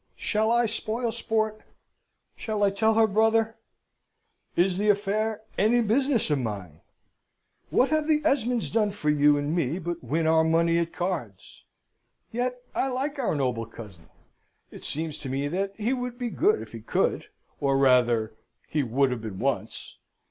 Shall I spoil sport? Shall I tell her brother? Is the affair any business of mine? What have the Esmonds done for you and me but win our money at cards? Yet I like our noble cousin. It seems to me that he would be good if he could or rather, he would have been once.